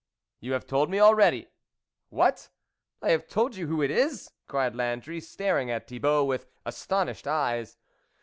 " You have told me already." " What ? I have told you who it is ?" cried Landry, staring at Thibault with astonished eyes.